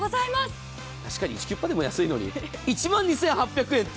確かにイチキュッパーでも安いのに、１万２８００円って。